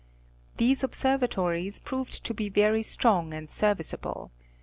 'These observatories proved to be very strong and serviceable.